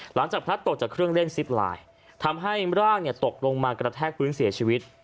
พลัดตกจากเครื่องเล่นซิปไลน์ทำให้ร่างตกลงมากระแทกพื้นเสียชีวิต